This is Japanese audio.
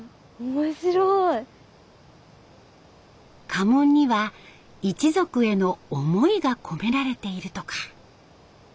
家紋には一族への思いが込められているとか。